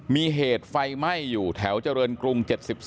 มีเหตุไฟไหม้อยู่แถวเจริญกรุง๗๒